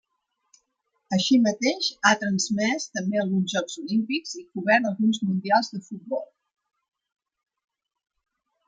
Així mateix ha transmès també alguns Jocs Olímpics i cobert alguns Mundials de futbol.